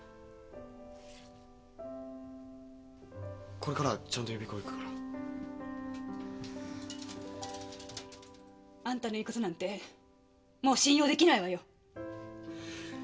これからはちゃんと予備校行くから。あんたの言うことなんてもう信用できないわよ。